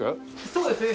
そうですね。